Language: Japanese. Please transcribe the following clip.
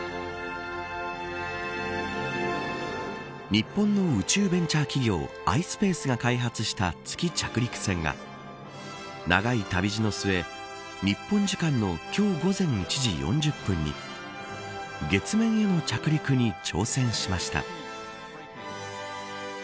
日本の宇宙ベンチャー企業ｉｓｐａｃｅが開発した月着陸船が、長い旅路の末日本時間の今日午前１時４０分に月面への着陸に挑戦しました。